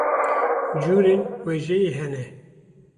curên wêjeyê hene.